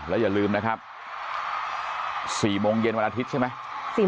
อย่าลืมนะครับ๔โมงเย็นวันอาทิตย์ใช่ไหม